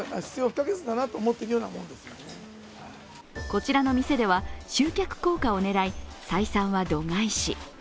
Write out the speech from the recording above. こちらの店では集客効果を狙い採算は度外視。